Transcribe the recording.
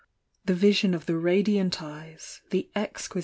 The vision of the radiant eyes, the exquib.